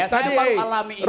saya baru alami itu